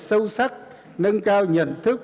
sâu sắc nâng cao nhận thức